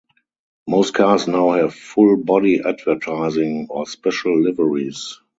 Most cars now have full body advertising or special liveries.